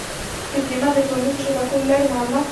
ډيپلومات د ټولنیزو شبکو له لارې معلومات خپروي.